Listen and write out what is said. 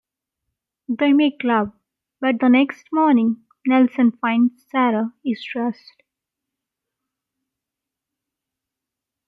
They make love, but the next morning, Nelson finds Sara is dressed.